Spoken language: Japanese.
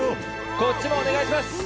こっちもお願いします！